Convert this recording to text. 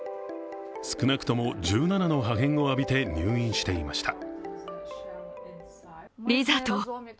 少なくとも１７の破片を浴びて入院していました。